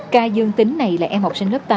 ca dương tính này là em học sinh lớp tám